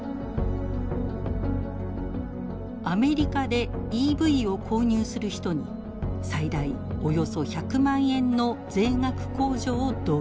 アメリカでＥＶを購入する人に最大およそ１００万円の税額控除を導入。